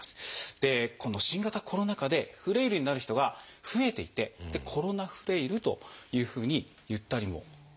でこの新型コロナ禍でフレイルになる人が増えていて「コロナフレイル」というふうに言ったりもしているんだそうです。